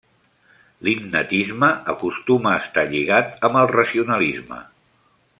L'innatisme acostuma a estar lligat amb el racionalisme.